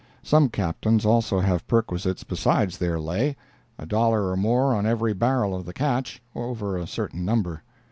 Some Captains also have perquisites besides their "lay"—a dollar or more on every barrel of the "catch," over a certain number.